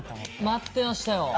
待ってましたよ。